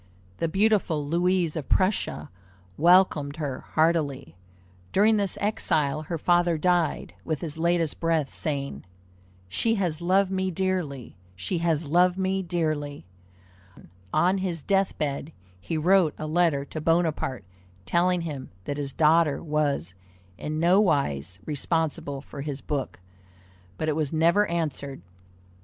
The beautiful Louise of Prussia welcomed her heartily. During this exile her father died, with his latest breath saying," She has loved me dearly! She has loved me dearly!" On his death bed he wrote a letter to Bonaparte telling him that his daughter was in nowise responsible for his book, but it was never answered.